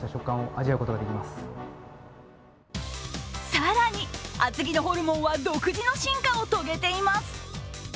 更に厚木のホルモンは独自の進化を遂げています。